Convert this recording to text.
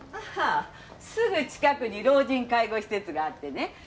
ああすぐ近くに老人介護施設があってね